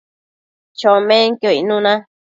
chomenquio icnuna